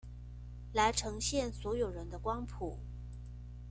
來呈現所有人的光譜